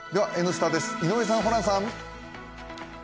「Ｎスタ」です、井上さん、ホランさん。